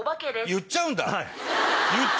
言っちゃうんだ！